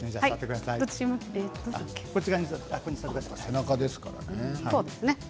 背中ですからね。